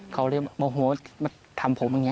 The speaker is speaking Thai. เขาเลยโมโหมาทำผมอย่างนี้